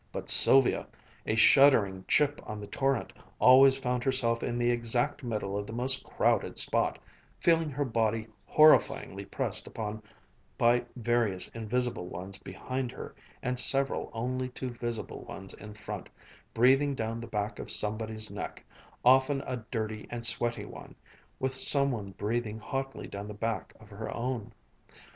But Sylvia, a shuddering chip on the torrent, always found herself in the exact middle of the most crowded spot, feeling her body horrifyingly pressed upon by various invisible ones behind her and several only too visible ones in front, breathing down the back of somebody's neck, often a dirty and sweaty one, with somebody breathing hotly down the back of her own.